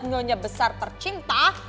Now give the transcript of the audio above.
nyonya besar tercinta